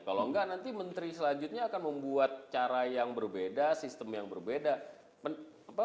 kalau enggak nanti menteri selanjutnya akan membuat cara yang berbeda sistem yang berbeda